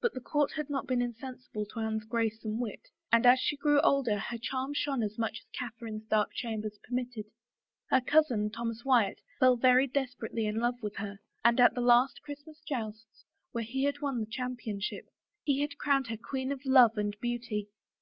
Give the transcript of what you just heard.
But the court had not been insensible to Anne's grace and wit, and as she grew older her charm shone as much as Catherine's dark chambers permitted. Her cousin, Thomas Wyatt, fell very desperately in love with her, and at the last Christmas jousts, where he won the cham pionship, he had crowned her Queen of Love and Beauty.